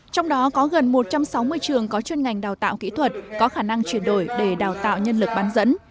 trong đó có gần một trăm sáu mươi trường có chuyên ngành đào tạo kỹ thuật có khả năng chuyển đổi để đào tạo nhân lực bán dẫn